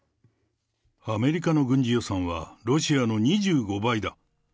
アメリカの軍事予算は、ロシアの２５倍だ。